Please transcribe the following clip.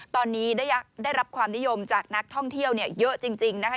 ตอนนี้ได้รับความนิยมจากนักท่องเที่ยวเยอะจริงนะคะ